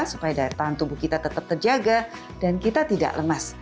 supaya daya tahan tubuh kita tetap terjaga dan kita tidak lemas